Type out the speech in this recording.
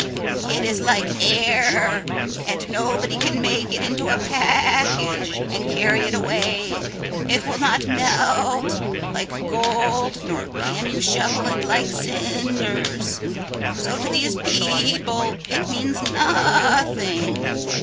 It is like air and nobody can make it into a package and carry it away. It will not melt like gold nor can you shovel it like cinders. So to these people it means nothing.